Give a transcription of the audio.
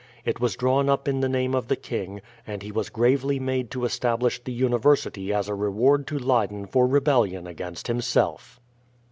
It was drawn up in the name of the king, and he was gravely made to establish the university as a reward to Leyden for rebellion against himself.